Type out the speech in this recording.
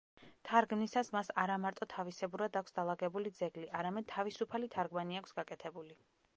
თარგმნისას მას არა მარტო თავისებურად აქვს დალაგებული ძეგლი, არამედ თავისუფალი თარგმანი აქვს გაკეთებული.